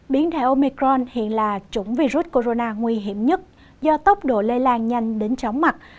biến thể omicron hiện là chủng virus corona nguy hiểm nhất do tốc độ lây lan nhanh đến chóng mặt